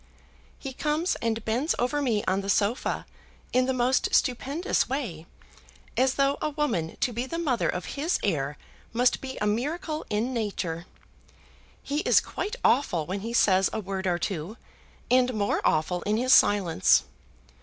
"He comes and bends over me on the sofa in the most stupendous way, as though a woman to be the mother of his heir must be a miracle in nature. He is quite awful when he says a word or two, and more awful in his silence.